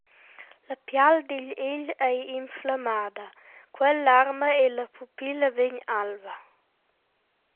La pial digl egl ei inflammada, quel larma e la pupilla vegn alva.